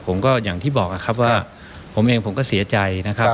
ผมก็อย่างที่บอกนะครับว่าผมเองผมก็เสียใจนะครับ